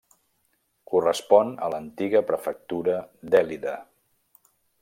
Correspon a l'antiga prefectura d'Èlide.